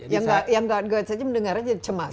ya yang gerd gerd saja mendengarnya jadi cemas